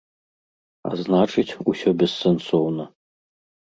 А значыць, усё бессэнсоўна.